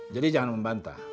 jadi jangan membantah